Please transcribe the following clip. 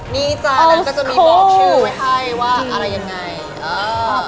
นี่จ้ะนั้นก็จะมีบอกชื่อไว้ให้ว่าอะไรยังไงอ่า